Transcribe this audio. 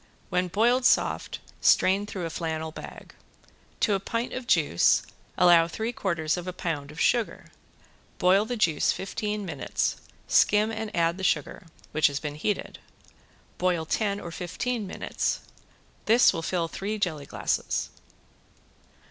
When boiled soft strain through a flannel bag. To a pint of juice allow three quarters of a pound of sugar. Boil the juice fifteen minutes, skim and add the sugar, which has been heated. Boil ten or fifteen minutes. This will fill three jelly glasses.